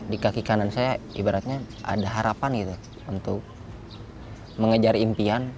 di kaki kanan saya ibaratnya ada harapan gitu untuk mengejar impian